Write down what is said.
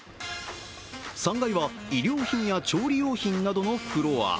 ３階は衣料品や調理用品などのフロア。